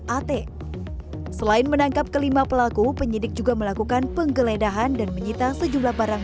at selain menangkap kelima pelaku penyidik juga melakukan penggeledahan dan menyita sejumlah barang